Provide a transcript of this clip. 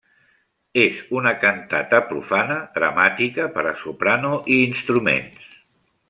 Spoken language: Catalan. És una cantata profana dramàtica per a soprano i instruments.